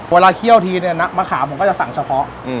เวลาเคี่ยวทีน้ำมะขามผมก็จะสั่งเฉพาะ